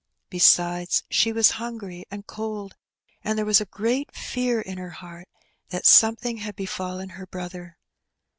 Besides, she was hungry and cold, and there was a great fear in her heart that something had befallen her brother.